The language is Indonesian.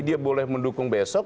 dia boleh mendukung besok